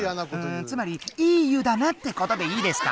うんつまりいい湯だなってことでいいですか？